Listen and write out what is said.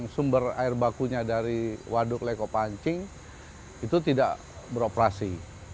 sumber air bakunya dari waduk leko pancing itu tidak beroperasi